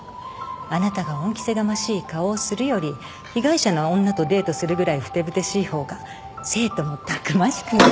あなたが恩着せがましい顔をするより被害者の女とデートするぐらいふてぶてしい方が生徒もたくましくなるんじゃない？